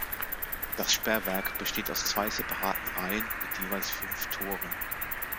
Das Sperrwerk besteht aus zwei separaten Reihen mit jeweils fünf Toren.